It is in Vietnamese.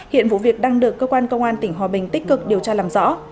hiện vụ việc đang được cơ quan công an tỉnh hòa bình tích cực điều tra làm rõ